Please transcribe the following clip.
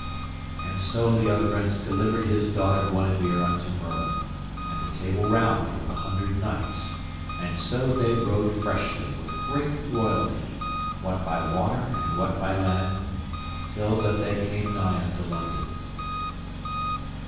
And so Leodegrance delivered his daughter Guenever unto Merlin, and the Table Round with the hundred knights, and so they rode freshly, with great royalty, what by water and what by land, till that they came nigh unto London.